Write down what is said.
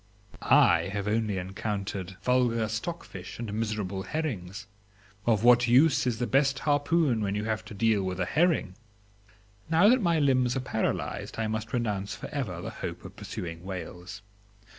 I have only encountered vulgar stockfish and miserable herrings. Of what use is the best harpoon when you have to deal with a herring? Now that my limbs are paralysed I must renounce for ever the hope of pursuing whales.